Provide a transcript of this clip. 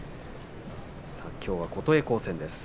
きょうは琴恵光戦。